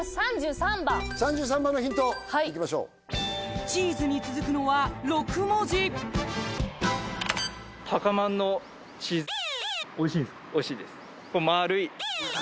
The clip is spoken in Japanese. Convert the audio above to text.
３３番のヒントいきましょう「チーズ」に続くのは６文字おいしいんですか？